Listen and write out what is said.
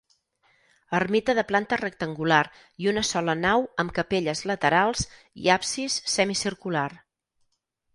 Ermita de planta rectangular i una sola nau amb capelles laterals i absis semicircular.